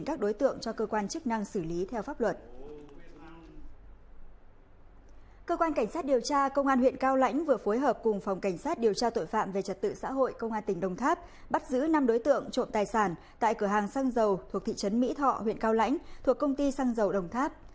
công an huyện cao lãnh vừa phối hợp cùng phòng cảnh sát điều tra tội phạm về trật tự xã hội công an tỉnh đồng tháp bắt giữ năm đối tượng trộm tài sản tại cửa hàng sang dầu thuộc thị trấn mỹ thọ huyện cao lãnh thuộc công ty sang dầu đồng tháp